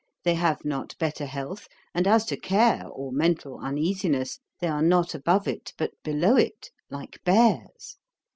They have not better health; and as to care or mental uneasiness, they are not above it, but below it, like bears.